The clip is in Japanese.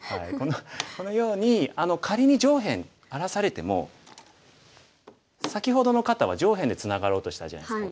このように仮に上辺荒らされても先ほどの方は上辺でツナがろうとしたじゃないですか。